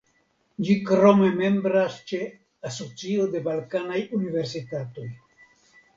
Ĝi krome membras ĉe "Asocio de balkanaj universitatoj".